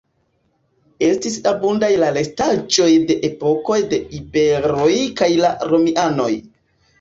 Estis abundaj la restaĵoj de epokoj de iberoj kaj de romianoj.